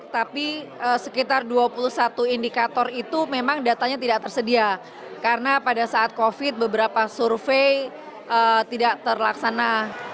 tapi sekitar dua puluh satu indikator itu memang datanya tidak tersedia karena pada saat covid beberapa survei tidak terlaksana